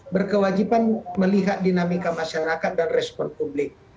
berkewajiban melihat dinamika masyarakat dan respon publik